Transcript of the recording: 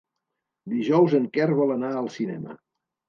Dijous en Quer vol anar al cinema.